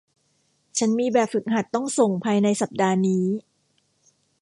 ฉันมีแบบฝึกหัดต้องส่งภายในสัปดาห์นี้